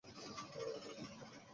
না, মিথ্যা।